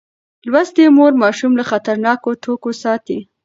لوستې مور ماشوم له خطرناکو توکو ساتي.